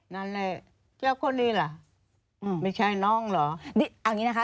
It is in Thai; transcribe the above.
นั่นแหละเจ้าคนนี้ล่ะอืมไม่ใช่น้องเหรออันนี้อันนี้นะคะ